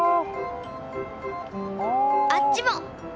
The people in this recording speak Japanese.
あっちも。